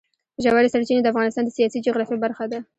ژورې سرچینې د افغانستان د سیاسي جغرافیه برخه ده.